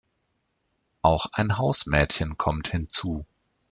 Auch ein Hausmädchen kommt hinzu.